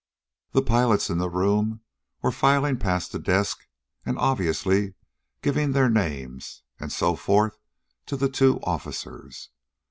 The pilots in the room were filing past the desk, and obviously giving their names, and so forth, to the two officers.